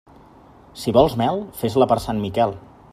Si vols mel, fes-la per Sant Miquel.